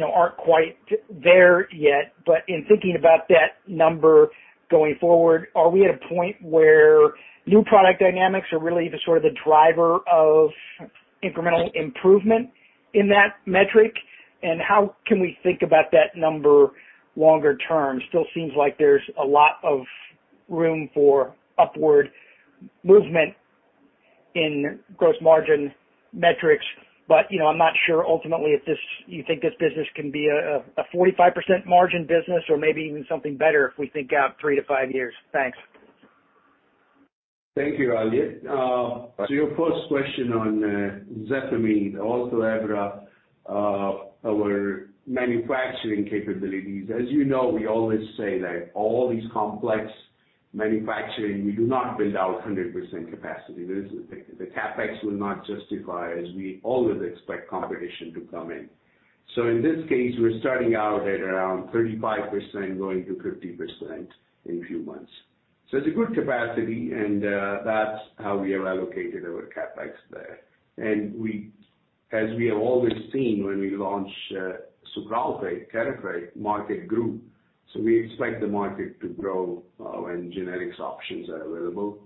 G: aren't quite there yet. In thinking about that number going forward, are we at a point where new product dynamics are really the sort of the driver of incremental improvement in that metric? How can we think about that number longer term? Still seems like there's a lot of room for upward movement in gross margin metrics. I'm not sure ultimately if you think this business can be a 45% margin business or maybe even something better if we think out three to five years. Thanks.
C: Thank you, Elliott. Your first question on Zafemy, Ortho Evra, our manufacturing capabilities. As you know, we always say that all these complex manufacturing, we do not build out 100% capacity. The CapEx will not justify as we always expect competition to come in. In this case, we're starting out at around 35%, going to 50% in few months. It's a good capacity, and that's how we have allocated our CapEx there. As we have always seen when we launch sucralfate, Carafate, market grew. We expect the market to grow when generics options are available.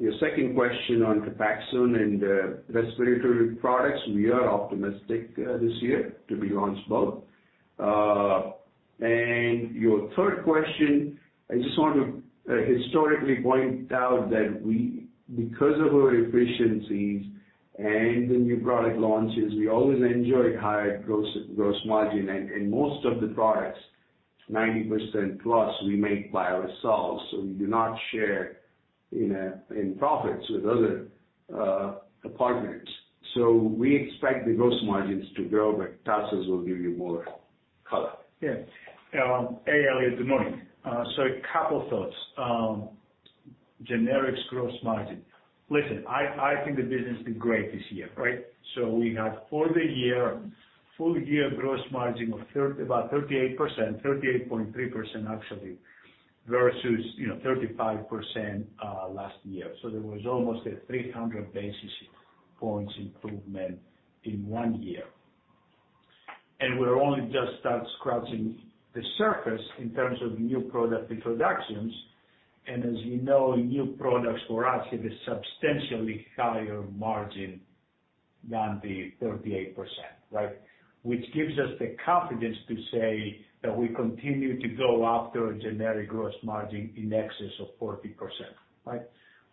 C: Your second question on Copaxone and respiratory products, we are optimistic this year to be launched both. Your third question, I just want to historically point out that because of our efficiencies and the new product launches, we always enjoy higher gross margin. Most of the products, 90% plus, we make by ourselves, so we do not share in profits with other partners. We expect the gross margins to grow, but Tasos will give you more color.
B: Hey, Elliot, good morning. A couple thoughts. Generics gross margin. Listen, I think the business did great this year, right? We have full year gross margin of about 38%, 38.3% actually, versus 35% last year. There was almost a 300 basis points improvement in one year. We're only just start scratching the surface in terms of new product introductions. As you know, new products for us have a substantially higher margin than the 38%, right? Which gives us the confidence to say that we continue to go after a generic gross margin in excess of 40%. Right.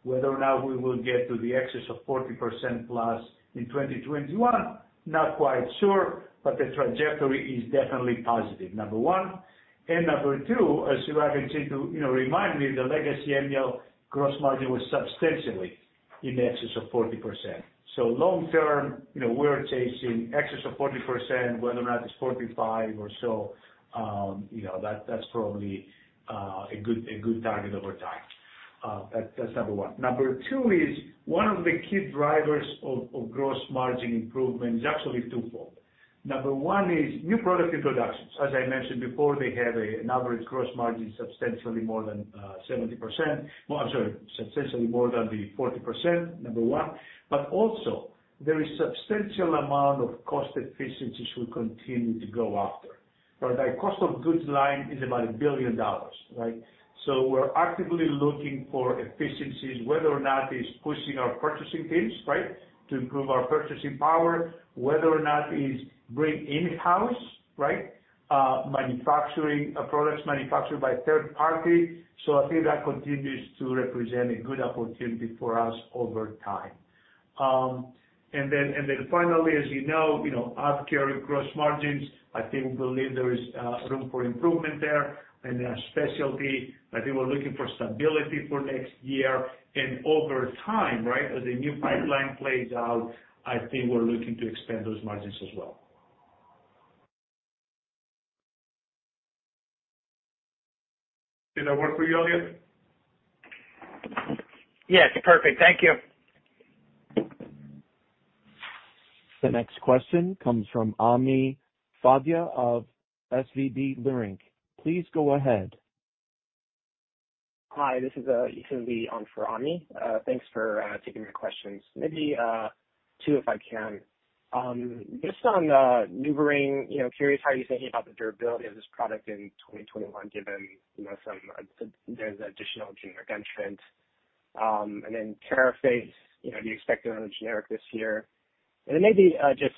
B: Whether or not we will get to the excess of 40% plus in 2021, not quite sure, but the trajectory is definitely positive, number one. Number two, as Ravindra said to remind me, the legacy Mylan gross margin was substantially in excess of 40%. Long term, we're chasing excess of 40%, whether or not it's 45 or so, that's probably a good target over time.
C: That's number one. Number two is one of the key drivers of gross margin improvement is actually twofold. Number one is new product introductions. As I mentioned before, they have an average gross margin substantially more than 70%. I'm sorry, substantially more than the 40%, number one. Also, there is substantial amount of cost efficiencies we continue to go after, where the cost of goods line is about $1 billion, right? We're actively looking for efficiencies, whether or not it's pushing our purchasing teams, right, to improve our purchasing power. Whether or not it's bring in-house, right, products manufactured by third party. I think that continues to represent a good opportunity for us over time. Finally, as you know, AvKARE gross margins, I think we believe there is room for improvement there. Specialty, I think we're looking for stability for next year and over time, right, as the new pipeline plays out, I think we're looking to expand those margins as well. Did that work for you all good?
G: Yes. Perfect. Thank you.
A: The next question comes from Ami Fadia of SVB Leerink. Please go ahead.
H: Hi, this is Ishimi on for Ami. Thanks for taking the questions. Maybe two, if I can. Just on NuvaRing, curious how you're thinking about the durability of this product in 2021, given there's additional generic entrants. Carafate, do you expect another generic this year? Maybe just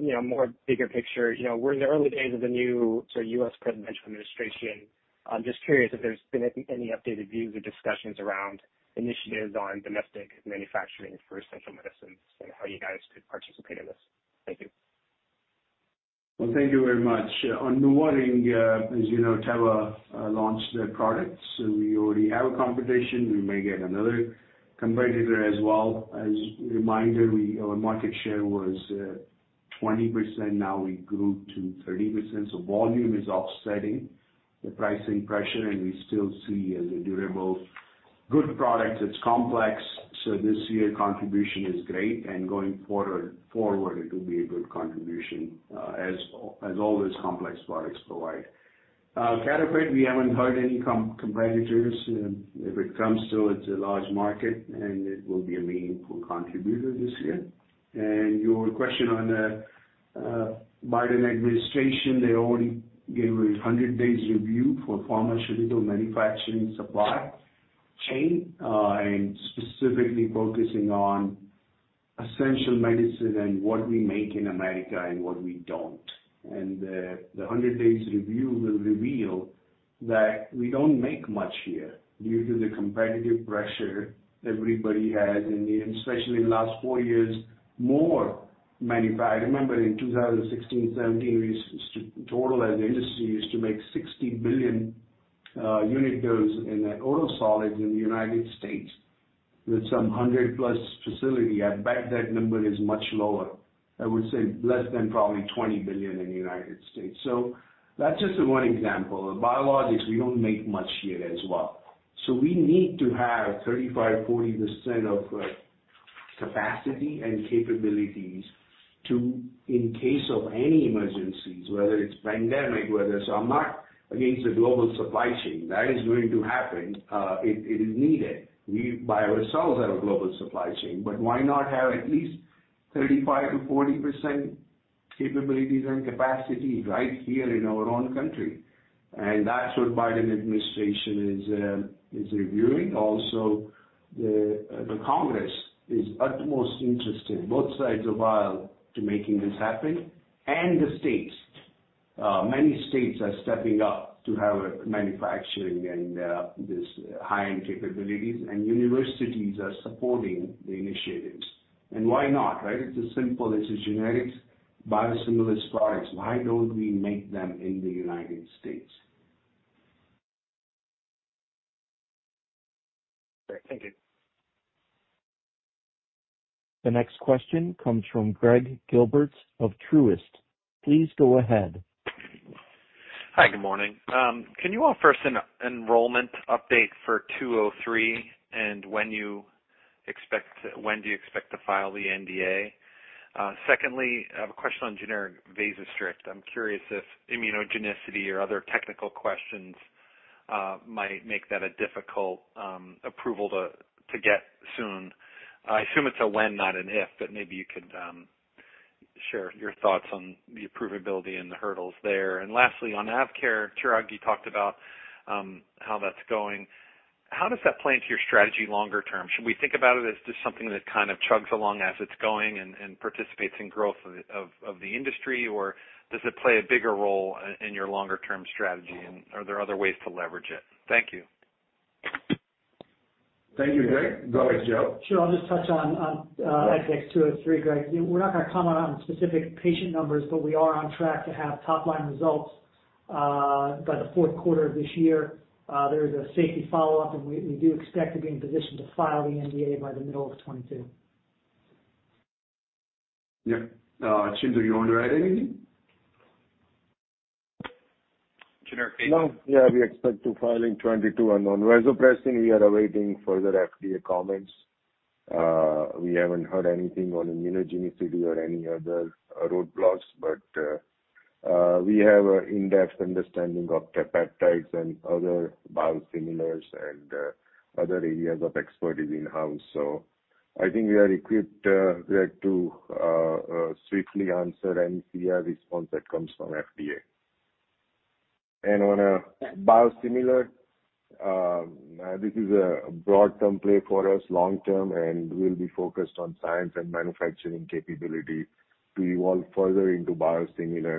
H: more bigger picture. We're in the early days of the new U.S. presidential administration. I'm just curious if there's been any updated views or discussions around initiatives on domestic manufacturing for essential medicines and how you guys could participate in this. Thank you.
C: Well, thank you very much. On NuvaRing, as you know, Teva launched their products. We already have a competition. We may get another competitor as well. As a reminder, our market share was 20%, now we grew to 30%. Volume is offsetting the pricing pressure, and we still see as a durable good product. It's complex, this year contribution is great, and going forward, it will be a good contribution as all these complex products provide. Carafate, we haven't heard any competitors. If it comes to it's a large market, and it will be a meaningful contributor this year. Your question on the Biden administration, they already gave a 100 days review for pharmaceutical manufacturing supply chain, and specifically focusing on essential medicine and what we make in America and what we don't. The 100 days review will reveal that we don't make much here due to the competitive pressure everybody has, and especially in the last four years, more manufacture. I remember in 2016, 2017, we used to total as an industry used to make 60 billion unit dose in oral solids in the United States with some 100+ facility. I bet that number is much lower. I would say less than probably 20 billion in the United States. That's just one example. Biologics, we don't make much here as well. We need to have 35%-40% of capacity and capabilities to, in case of any emergencies, whether it's pandemic. I'm not against the global supply chain. That is going to happen. It is needed. We by ourselves have a global supply chain. Why not have at least 35%-40% capabilities and capacity right here in our own country? That's what Biden administration is reviewing. Also, the Congress is utmost interested, both sides of aisle, to making this happen. The states. Many states are stepping up to have a manufacturing and this high-end capabilities, and universities are supporting the initiatives. Why not, right? It's as simple as generics, biosimilars products. Why don't we make them in the United States?
H: Great. Thank you.
A: The next question comes from Gregg Gilbert of Truist. Please go ahead.
I: Hi, good morning. Can you offer us an enrollment update for 203 and when do you expect to file the NDA? Secondly, I have a question on generic Vasostrict. I'm curious if immunogenicity or other technical questions might make that a difficult approval to get soon. I assume it's a when, not an if, maybe you could share your thoughts on the approvability and the hurdles there. Lastly, on AvKARE, Chirag, you talked about how that's going. How does that play into your strategy longer term? Should we think about it as just something that kind of chugs along as it's going and participates in growth of the industry, or does it play a bigger role in your longer term strategy? Are there other ways to leverage it? Thank you.
C: Thank you, Gregg. Go ahead, Joe.
J: Sure. I'll just touch on IPX203, Gregg. We're not going to comment on specific patient numbers, but we are on track to have top line results by the Q4 of this year. There is a safety follow-up. We do expect to be in position to file the NDA by the middle of 2022.
C: Yeah. Ishimi, do you want to add anything?
D: No. Yeah, we expect to file in 2022. On vasopressin, we are awaiting further FDA comments. We haven't heard anything on immunogenicity or any other roadblocks, but we have an in-depth understanding of the peptides and other biosimilars and other areas of expertise in-house. I think we are equipped, Gregg, to swiftly answer any CRL response that comes from FDA. On a biosimilar, this is a broad template for us long term, and we'll be focused on science and manufacturing capability to evolve further into biosimilar.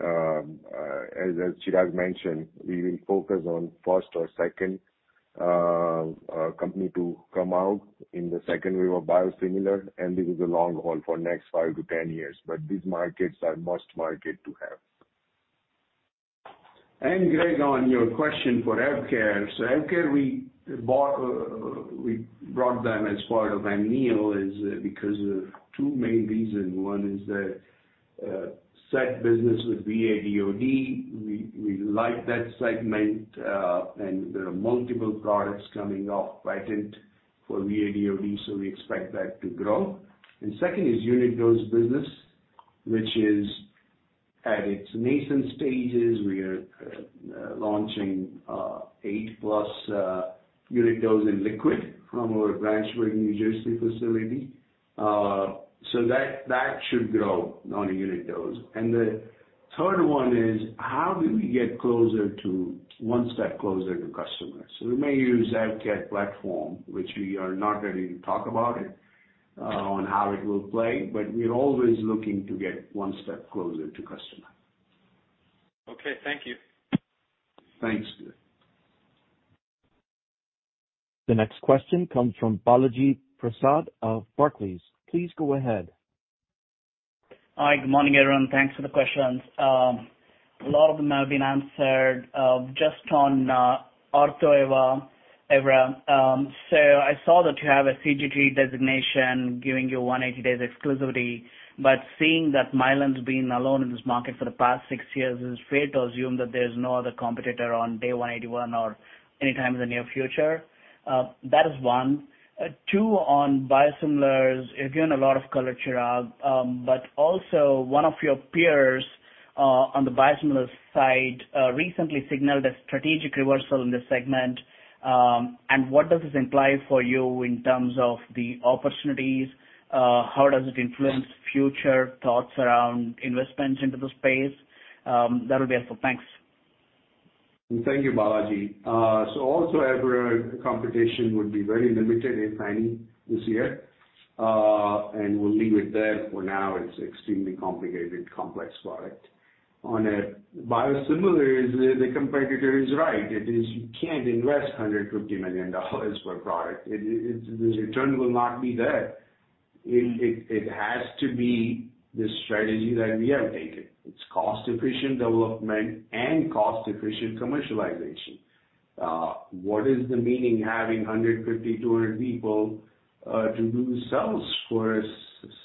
D: As Chirag mentioned, we will focus on first or second company to come out in the second wave of biosimilar, and this is a long haul for next 5 - 10 years, but these markets are must market to have.
C: Gregg, on your question for AvKARE. AvKARE, we brought them as part of Amneal is because of two main reasons. One is that, set business with VA/DoD, we like that segment, and there are multiple products coming off patent for VA/DoD, so we expect that to grow. Second is unit dose business, which is at its nascent stages. We are launching eight-plus unit dose in liquid from our Branchburg, New Jersey facility. That should grow on a unit dose. The third one is how do we get one step closer to customers? We may use AvKARE platform, which we are not ready to talk about it, on how it will play, but we're always looking to get one step closer to customer.
I: Okay. Thank you.
C: Thanks, Gregg.
A: The next question comes from Balaji Prasad of Barclays. Please go ahead.
K: Hi. Good morning, everyone. Thanks for the questions. A lot of them have been answered. Just on Ortho Evra, I saw that you have a CGT designation giving you 180 days exclusivity, but seeing that Mylan's been alone in this market for the past six years, is it fair to assume that there's no other competitor on day 181 or any time in the near future? That is one. Two, on biosimilars, you've given a lot of color, Chirag, but also one of your peers, on the biosimilars side, recently signaled a strategic reversal in this segment. What does this imply for you in terms of the opportunities? How does it influence future thoughts around investments into the space? That would be it for. Thanks.
C: Thank you, Balaji. Ortho Evra competition would be very limited if any this year. We'll leave it there for now. It's extremely complicated, complex product. On biosimilars, the competitor is right. You can't invest $150 million for a product. The return will not be there. It has to be the strategy that we have taken. It's cost-efficient development and cost-efficient commercialization. What is the meaning having 150, 200 people to do sales for a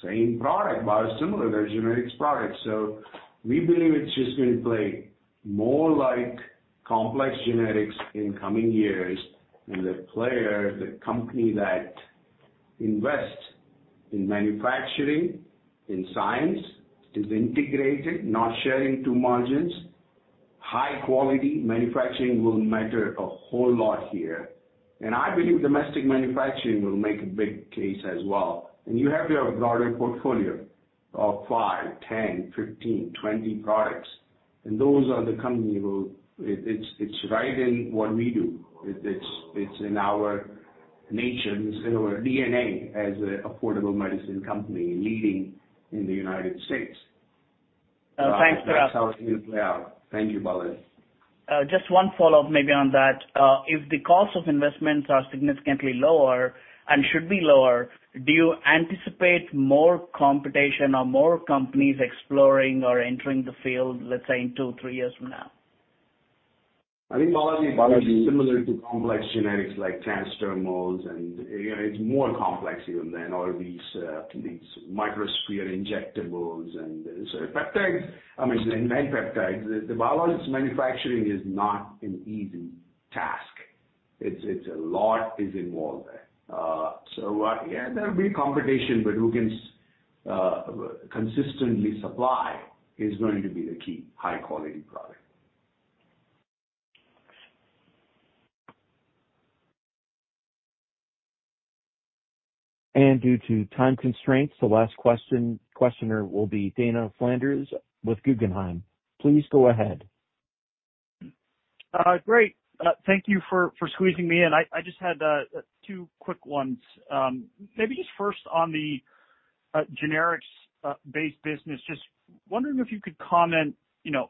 C: same product, biosimilar? They're generics products. We believe it's just going to play more like complex generics in coming years. The player, the company that invests in manufacturing, in science, is integrated, not sharing two margins, high quality manufacturing will matter a whole lot here. I believe domestic manufacturing will make a big case as well. You have your broader portfolio of five, 10, 15, 20 products. It's right in what we do. It's in our nations, in our DNA as an affordable medicine company leading in the United States.
K: Thanks, Chirag.
C: That's how it's going to play out. Thank you, Balaji.
K: Just one follow-up maybe on that. If the cost of investments are significantly lower and should be lower, do you anticipate more competition or more companies exploring or entering the field, let's say, in two, three years from now?
C: I think, Balaji, it will be similar to complex generics like transdermals, and it's more complex even than all these microsphere injectables and certain peptides. I mean, the biologics manufacturing is not an easy task. A lot is involved there. Yeah, there'll be competition, but who can consistently supply is going to be the key, high quality product.
A: Due to time constraints, the last questioner will be Dana Flanders with Guggenheim. Please go ahead.
L: Great. Thank you for squeezing me in. I just had two quick ones. Maybe just first on the generics base business, just wondering if you could comment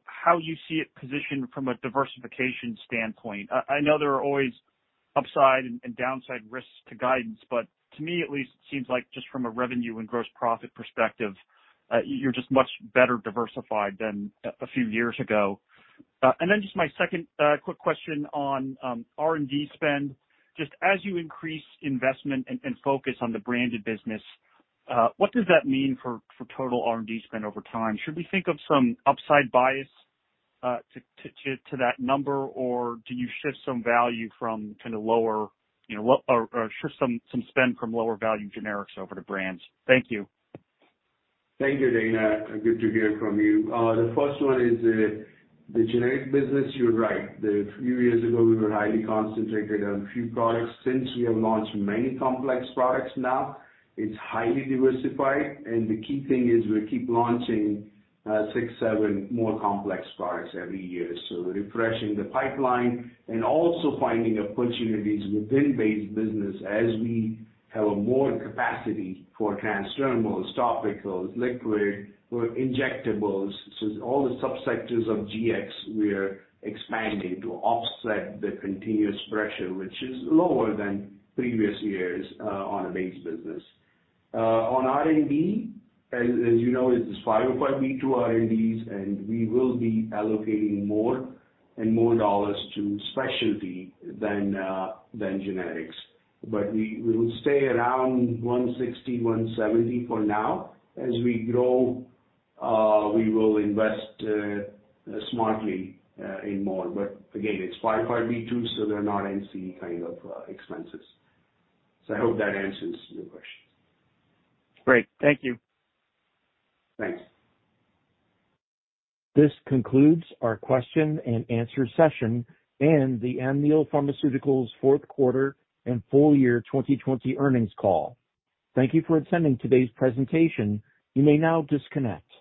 L: how you see it positioned from a diversification standpoint. I know there are always upside and downside risks to guidance, but to me at least, it seems like just from a revenue and gross profit perspective, you're just much better diversified than a few years ago. My second quick question on R&D spend, just as you increase investment and focus on the branded business, what does that mean for total R&D spend over time? Should we think of some upside bias to that number, or do you shift some spend from lower value generics over to brands? Thank you.
C: Thank you, Dana. Good to hear from you. The first one is the generic business. You're right. A few years ago, we were highly concentrated on a few products. We have launched many complex products now. It's highly diversified, and the key thing is we keep launching six, seven more complex products every year. Refreshing the pipeline and also finding opportunities within base business as we have more capacity for transdermals, topicals, liquid, for injectables. All the sub-sectors of GX, we are expanding to offset the continuous pressure, which is lower than previous years on a base business. On R&D, as you know, it is 505(b)(2) R&Ds. We will be allocating more and more dollars to specialty than generics. We will stay around $160, $170 for now. As we grow, we will invest smartly in more. Again, it's 505(b)(2)s, so they're not NC kind of expenses. I hope that answers your questions.
L: Great. Thank you.
C: Thanks.
A: This concludes our question and answer session and the Amneal Pharmaceuticals fourth quarter and full year 2020 earnings call. Thank you for attending today's presentation. You may now disconnect.